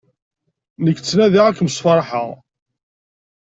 Nekk ttnadiɣ ad kem-sferḥeɣ.